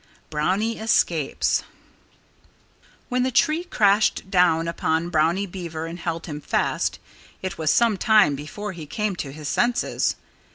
XVII BROWNIE ESCAPES When the tree crashed down upon Brownie Beaver and held him fast, it was some time before he came to his senses.